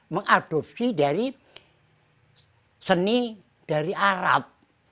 mengadopsi dari seni dari arab